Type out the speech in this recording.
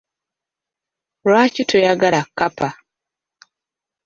Lwaki toyagala kkapa?